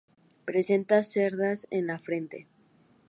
Presenta cerdas en la frente.